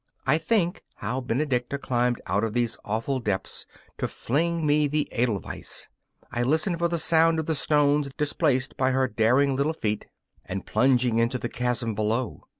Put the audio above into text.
I think how Benedicta climbed out of these awful depths to fling me the edelweiss; I listen for the sound of the stones displaced by her daring little feet and plunging into the chasm below.